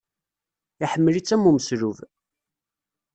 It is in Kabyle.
Iḥemmel-itt am umeslub.